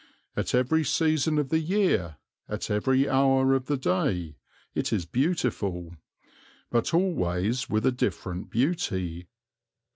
At every season of the year, at every hour of the day, it is beautiful, but always with a different beauty.